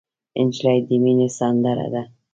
نجلۍ د مینې سندره ده.